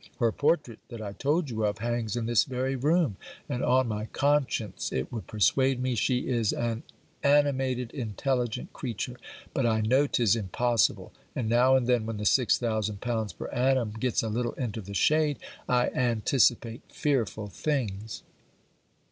Her portrait, that I told you of, hangs in this very room; and on my conscience it would persuade me she is an animated intelligent creature; but I know 'tis impossible; and now and then, when the 6000l. per annum gets a little into the shade, I anticipate fearful things.